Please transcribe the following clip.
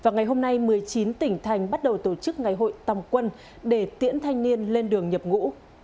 ngày hôm nay một mươi chín tỉnh thành bắt đầu tổ chức ngày hội tòng quân để tiễn thanh niên lên đường nhập ngũ